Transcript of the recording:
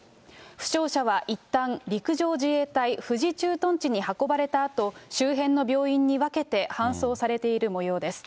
負傷者はいったん、陸上自衛隊富士駐屯地に運ばれたあと、周辺の病院に分けて搬送されているもようです。